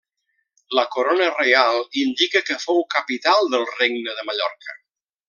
La corona reial indica que fou capital del Regne de Mallorca.